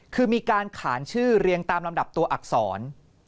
คือมีการขานชื่อเรียงตามลำดับตัวอักษร